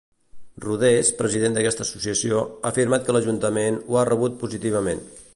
Rodés, president d'aquesta associació, ha afirmat que l'Ajuntament ho ha rebut positivament.